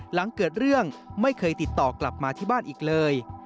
หลังเกิดเรื่องไม่เคยติดต่อกลับมาที่บ้านอีกเลย